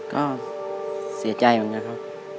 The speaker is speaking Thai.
ก็เสียใจก็งั้นนะครับ